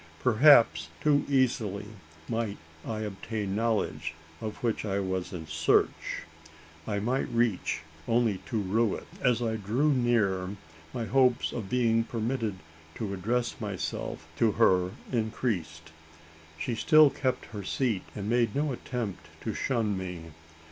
Perhaps too easily might I obtain the knowledge of which I was in search? I might reach, only to rue it? As I drew near, my hopes of being permitted to address myself to her increased. She still kept her seat, and made no attempt to shun me.